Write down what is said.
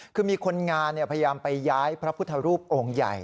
คือมีคนงานพยายามไปย้ายพระพุทธรูปองค์ใหญ่